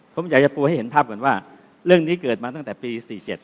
ผมอยากจะปูให้เห็นภาพก่อนว่าเรื่องนี้เกิดมาตั้งแต่ปี๔๗